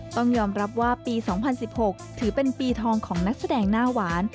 ต้องยอมรับว่าปี๒๐๑๖ถือเป็นปีทองของนักแสดงหน้าหวาน